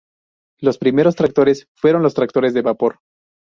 Los primeros tractores fueron los tractores de vapor.